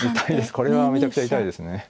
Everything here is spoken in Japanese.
これはめちゃくちゃ痛いですね。